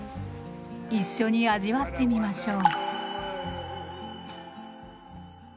一緒に味わってみましょう。